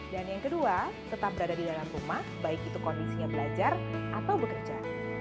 dan yang kedua tetap berada di dalam rumah baik itu kondisinya belajar atau bekerja